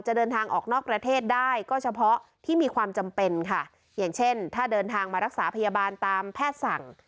จะเดินทางออกนอกประเทศได้ก็เฉพาะที่มีความจำเป็นค่ะอย่างเช่นถ้าเดินทางมารักษาพยาบาลตามแพทย์สั่ง